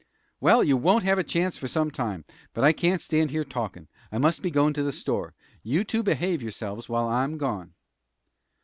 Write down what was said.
"Well, you won't have a chance for some time. But I can't stand here talkin'. I must be goin' to the store. You two behave yourselves while I'm gone!"